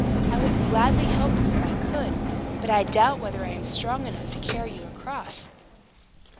I would gladly help you if I could; but I doubt whether I am strong enough to carry you across."